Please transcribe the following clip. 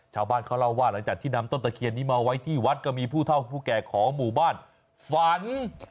ชาวบ้านเขาเล่าว่าหลังจากที่นำต้นตะเคียนนี้มาไว้ที่วัดก็มีผู้เท่าผู้แก่ของหมู่บ้านฝัน